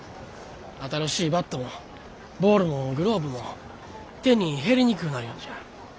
新しいバットもボールもグローブも手に入りにくうなりょんじゃあ。